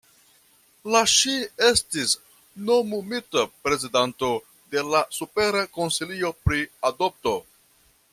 La ŝi estis nomumita prezidanto de la Supera Konsilio pri Adopto.